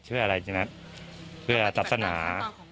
เชื่ออะไรจริงนะเชื่อจัตรนา